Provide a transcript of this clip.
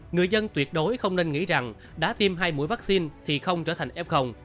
người dân tuyệt đối không nên nghĩ rằng đã tiêm hai mũi vaccine thì không trở thành f